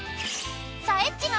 ［さえっちが］